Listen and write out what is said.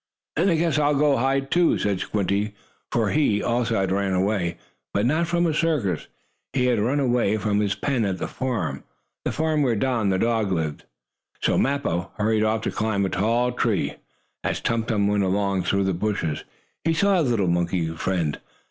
"And I guess I'll go hide, too," said Squinty, for he, also, had run away, but not from a circus. He had run away from his pen at the farm the farm where Don, the dog, lived. So Mappo hurried off to climb a tall tree. As Tum Tum went along through the bushes, he saw his little monkey friend.